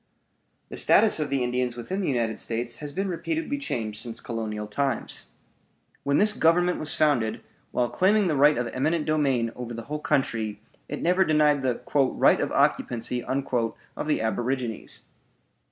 The status of the Indians within the United States has been repeatedly changed since colonial times. When this Government was founded, while claiming the right of eminent domain over the whole country, it never denied the "right of occupancy" of the aborigines.